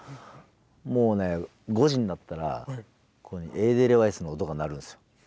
もうね５時になったら「エーデルワイス」の音が鳴るんですよ。